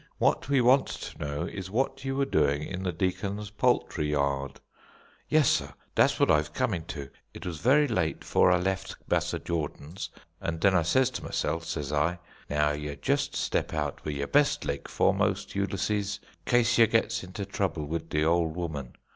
What we want to know is what you were doing in the Deacon's poultry yard?" "Yes, sar, dat's what I'se cumming to. It wuz ver' late 'fore I left Massa Jordan's, an' den I sez ter mysel', sez I, now yer jest step out with yer best leg foremost, Ulysses, case yer gets into trouble wid de ole woman.